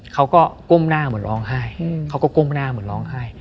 ก้มหน้าเหมือนร้องไห้เขาก็ก้มหน้าเหมือนร้องไห้